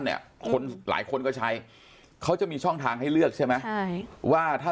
เนี่ยคนหลายคนก็ใช้เขาจะมีช่องทางให้เลือกใช่ไหมใช่ว่าถ้า